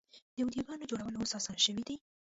د ویډیوګانو جوړول اوس اسانه شوي دي.